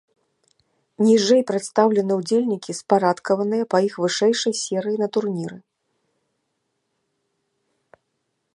Ніжэй прадстаўлены ўдзельнікі, спарадкаваныя па іх вышэйшай серыі на турніры.